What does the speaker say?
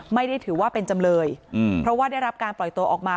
ไม่ได้ถือว่าเป็นจำเลยเพราะว่าได้รับการปล่อยตัวออกมา